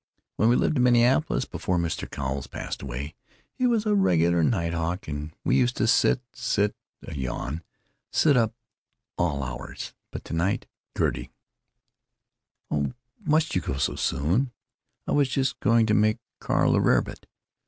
When we lived in Minneapolis, before Mr. Cowles passed beyond, he was a regular night hawk, and we used to sit—sit—" (a yawn)—"sit up till all hours. But to night——" Gertie: "Oh, must you go so soon? I was just going to make Carl a rarebit.